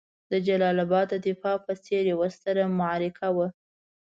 د جلال اباد د دفاع په څېر یوه ستره معرکه وه.